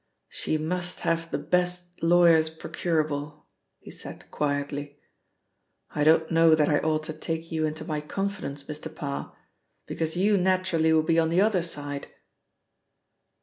"She must have the best lawyers procurable," he said quietly. "I don't know that I ought to take you into my confidence, Mr. Parr, because you naturally will be on the other side."